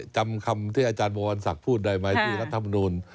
จำคำที่อาจารย์มวันสักฯพูดได้ไหมที่รัฐบนูน